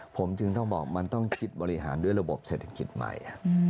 ผมจึงต้องบอกมันต้องคิดบริหารด้วยระบบเศรษฐกิจใหม่